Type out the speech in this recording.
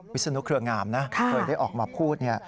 วิศนุเครืองามนะเคยได้ออกมาพูด